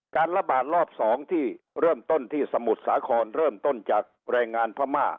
การระบาดรอบ๒ที่เริ่มต้นที่สมุทรสาครเริ่มต้นจากแรงงานพม่า